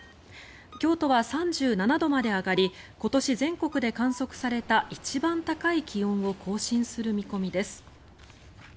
京都は３７度まで上がり今年、全国で観測された一番高い気温を更新する見込みです。